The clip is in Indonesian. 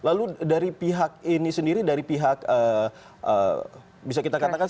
lalu dari pihak ini sendiri dari pihak bisa kita katakan